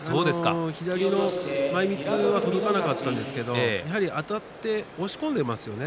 左の前みつは届かなかったんですけどもあたって押し込んでいますよね。